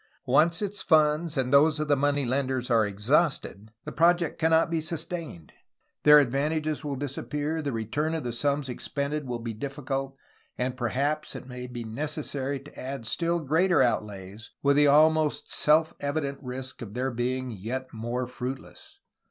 Once its funds and those of the money lenders are exhausted, the projects can 346 A HISTORY OF CALIFORNIA not be sustained, their advantages will disappear, the return of the sums expended will be difficult, and perhaps it may be neces sary to add still greater outlays, with the almost self evident risk of their being yet more fruitless.